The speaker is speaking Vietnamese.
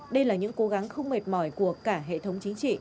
đây là những cố gắng không mệt mỏi của cả hệ thống chính trị